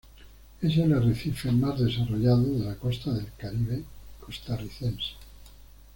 Es el arrecife más desarrollado de la costa del Caribe costarricense.